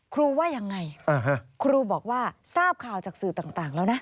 ว่ายังไงครูบอกว่าทราบข่าวจากสื่อต่างแล้วนะ